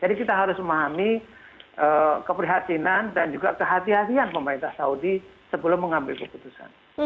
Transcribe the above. jadi kita harus memahami keprihatinan dan juga kehatian pemerintah saudi sebelum mengambil keputusan